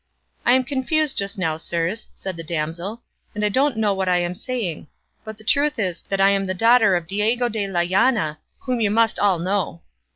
"I am confused just now, sirs," said the damsel, "and I don't know what I am saying; but the truth is that I am the daughter of Diego de la Llana, whom you must all know."